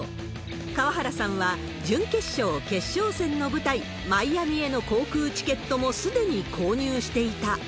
河原さんは、準決勝、決勝戦の舞台、マイアミへの航空チケットもすでに購入していた。